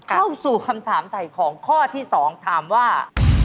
เข้าสู่คำถามใดของข้อที่สองถามว่า